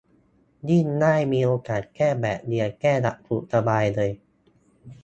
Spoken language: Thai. ยิ่งได้มีโอกาสแก้แบบเรียน แก้หลักสูตร สบายเลย